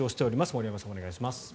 森山さん、お願いします。